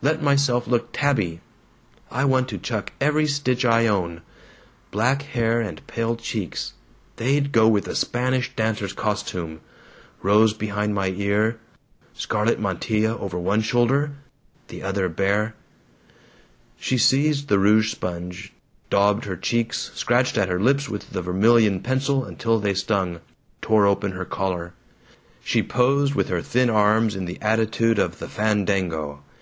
Let myself look tabby. "I want to chuck every stitch I own. Black hair and pale cheeks they'd go with a Spanish dancer's costume rose behind my ear, scarlet mantilla over one shoulder, the other bare." She seized the rouge sponge, daubed her cheeks, scratched at her lips with the vermilion pencil until they stung, tore open her collar. She posed with her thin arms in the attitude of the fandango.